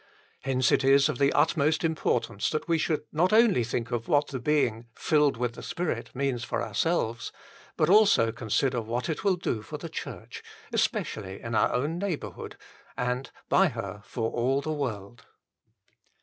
Hence it is of the utmost importance that we should not only think of what the being " filled with the Spirit " means for ourselves, but also consider what it will do for the Church, especially in our own neighbourhood, and by her for all the world.